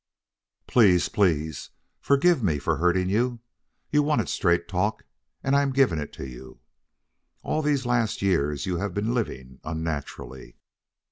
"Please, please, forgive me for hurting you. You wanted straight talk, and I am giving it to you. All these last years you have been living unnaturally.